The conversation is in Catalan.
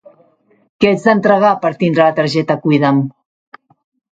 Què haig d'entregar per tindre la targeta Cuida'm?